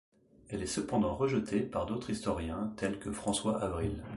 Elle est cependant rejetée par d'autres historiens tels que François Avril.